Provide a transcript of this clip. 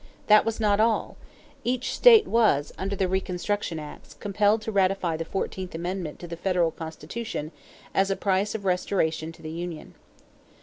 That was not all. Each state was, under the reconstruction acts, compelled to ratify the fourteenth amendment to the federal Constitution as a price of restoration to the union.